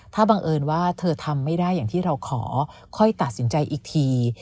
ถ้าบังเอิญว่าเธอทำไม่ได้อย่างที่เราขอค่อยตัดสินใจอีกที